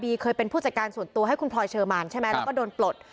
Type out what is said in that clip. เคยเป็นผู้จัดการส่วนตัวให้คุณพลอยเชอร์มานใช่ไหมแล้วก็โดนปลด